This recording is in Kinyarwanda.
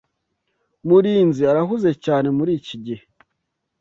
Murinzi arahuze cyane muriki gihe.